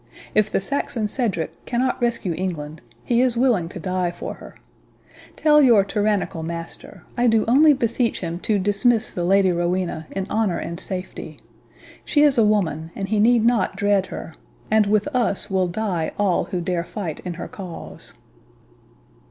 If the Saxon Cedric cannot rescue England, he is willing to die for her. Tell your tyrannical master, I do only beseech him to dismiss the Lady Rowena in honour and safety. She is a woman, and he need not dread her; and with us will die all who dare fight in her cause."